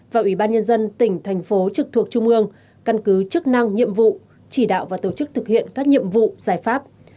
và ủy ban nhân dân tỉnh thành phố trực thuộc trung ương căn cứ chức năng nhiệm vụ chỉ đạo và tổ chức thực hiện các nhiệm vụ giải pháp